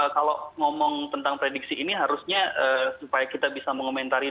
kalau ngomong tentang prediksi ini harusnya supaya kita bisa mengomentari